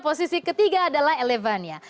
posisi ketiga adalah elevania